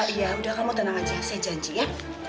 iya udah kamu tenang aja saya janji ya